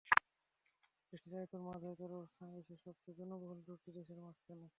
দেশটির আয়তন মাঝারি, তার অবস্থান বিশ্বের সবচেয়ে জনবহুল দুটি দেশের মাঝখানে।